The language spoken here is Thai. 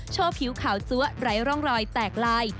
โชว์ผิวขาวจั๊วไร้ร่องรอยแตกลาย